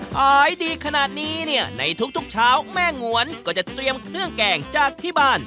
ขายดีขนาดนี้เนี่ยในทุกเช้าแม่งวนก็จะเตรียมเครื่องแกงจากที่บ้าน